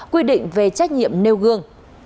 quy định về trách nhiệm nêu gương